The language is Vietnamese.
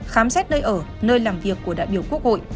khám xét nơi ở nơi làm việc của đại biểu quốc hội